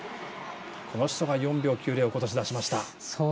この人が４秒９０を今年出しました。